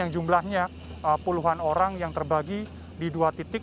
yang jumlahnya puluhan orang yang terbagi di dua titik